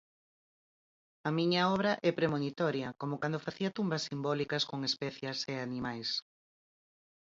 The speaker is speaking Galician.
A miña obra é premonitoria, como cando facía tumbas simbólicas con especias e animais.